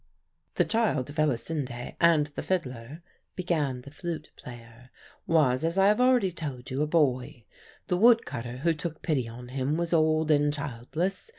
"The child of Elisinde and the fiddler," began the flute player, "was, as I have already told you, a boy. The woodcutter who took pity on him was old and childless.